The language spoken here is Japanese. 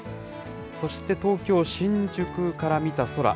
そして、東京・新宿から見た空。